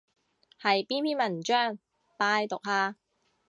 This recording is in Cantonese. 係邊篇文章？拜讀下